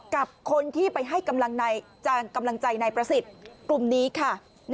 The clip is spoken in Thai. กับคนที่ไปให้กำลังใจนายประสิทธิ์กลุ่มนี้ค่ะ